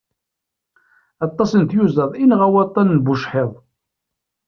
Aṭas n tyuzaḍ i yenɣa waṭan n bucḥiḍ.